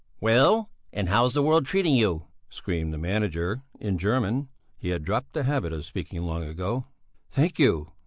"Well, and how's the world treating you?" screamed the manager in German he had dropped the habit of speaking long ago. "Thank you!"